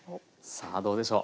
さあどうでしょう。